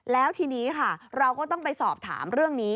แล้วทีนี้ค่ะเราก็ต้องไปสอบถามเรื่องนี้